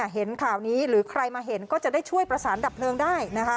เห็นข่าวนี้หรือใครมาเห็นก็จะได้ช่วยประสานดับเพลิงได้นะคะ